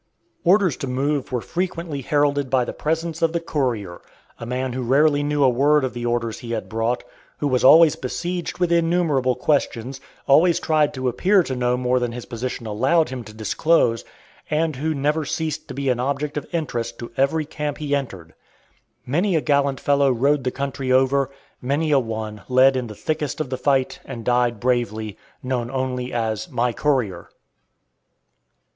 Orders to move were frequently heralded by the presence of the "courier," a man who rarely knew a word of the orders he had brought; who was always besieged with innumerable questions, always tried to appear to know more than his position allowed him to disclose, and who never ceased to be an object of interest to every camp he entered. Many a gallant fellow rode the country over; many a one led in the thickest of the fight and died bravely, known only as "my courier."